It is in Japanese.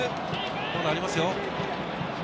まだありますよ。